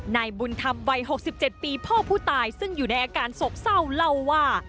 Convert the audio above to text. นายบุญธรรมวัย๖๗ปีพ่อผู้ตายซึ่งอยู่ในอาการโศกเศร้าเล่าว่า